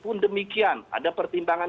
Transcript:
pun demikian ada pertimbangan